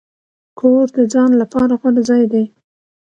کور د ځان لپاره غوره ځای دی.